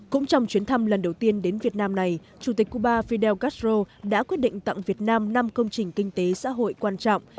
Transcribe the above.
cũng trong chuyến thăm lần đầu tiên đến việt nam này chủ tịch cuba fidel castro đã quyết định tặng việt nam năm công trình kinh tế xã hội quan trọng